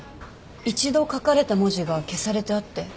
一度書かれた文字が消されてあって。